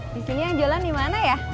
disini yang jualan dimana ya